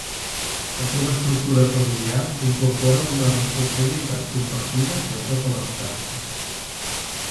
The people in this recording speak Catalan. La seva estructura familiar incorpora una responsabilitat compartida de totes les tasques.